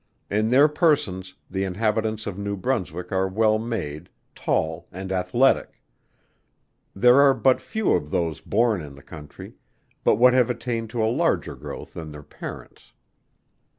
In their persons, the inhabitants of New Brunswick are well made, tall and athletic. There are but few of those born in the country, but what have attained to a larger growth than their parents.